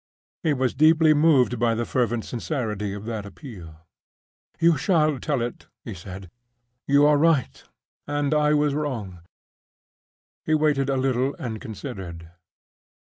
He was deeply moved by the fervent sincerity of that appeal. "You shall tell it," he said. "You are right—and I was wrong." He waited a little, and considered.